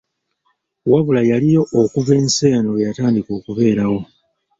Wabula yaliwo okuva ensi eno lweyatandika okubeerawo.